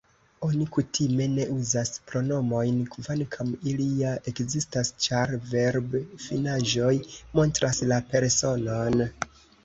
Oni kutime ne uzas pronomojn, kvankam ili ja ekzistas, ĉar verbfinaĵoj montras la personon.